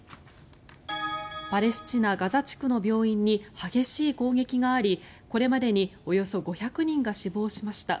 パレスチナ・ガザ地区の病院に激しい攻撃がありこれまでにおよそ５００人が死亡しました。